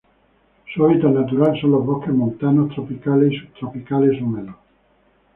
Su hábitat natural son los bosques montanos tropicales y subtropicales húmedos.